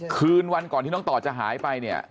คืนวันก่อนที่น้องต่อจะหายไปเนี่ย